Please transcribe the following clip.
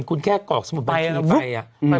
คุณแค่กรอกสมุดบัญชีมาไป